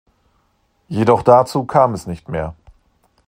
Jedoch dazu kam es nicht mehr.